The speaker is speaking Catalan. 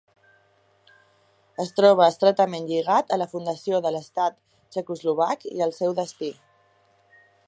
Es troba estretament lligat a la fundació de l'Estat txecoslovac i al seu destí.